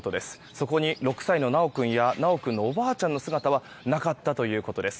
そこに６歳の修君や修君のおばあちゃんの姿はなかったということです。